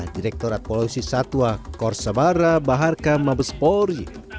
direkturat polisi satwa korsebara baharka mabespori